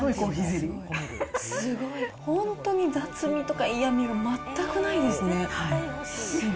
すごい、本当に雑味とか嫌味が全くないですね。